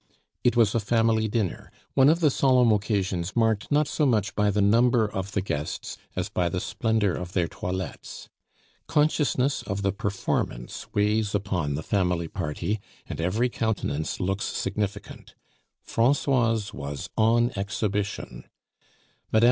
It was a family dinner, one of the solemn occasions marked not so much by the number of the guests as by the splendor of their toilettes. Consciousness of the performance weighs upon the family party, and every countenance looks significant. Francoise was on exhibition. Mme.